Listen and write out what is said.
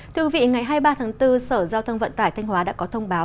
thưa quý vị ngày hai mươi ba tháng bốn sở giao thông vận tải thanh hóa đã có thông báo